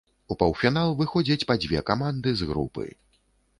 У паўфінал выходзяць па дзве каманды з групы.